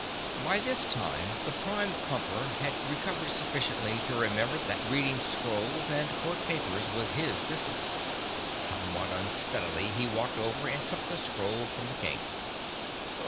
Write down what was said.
By this time the Prime Pumper had recovered sufficiently to remember that reading scrolls and court papers was his business. Somewhat unsteadily he walked over and took the scroll from the King.